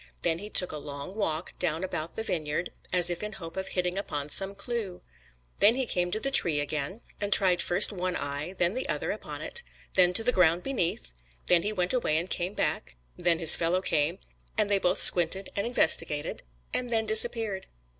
Then he took a long walk down about the vineyard as if in hope of hitting upon some clew. Then he came to the tree again, and tried first one eye, then the other, upon it; then to the ground beneath; then he went away and came back; then his fellow came, and they both squinted and investigated, and then disappeared.